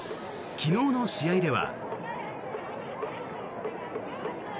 昨日の試合では。